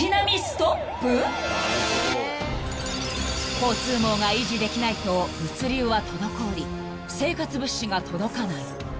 ［交通網が維持できないと物流は滞り生活物資が届かない］